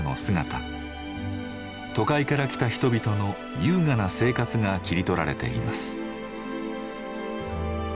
都会から来た人々の優雅な生活が切り取られています。